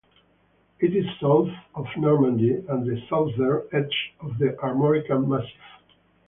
It is south of Normandy and on the southern edge of the Armorican Massif.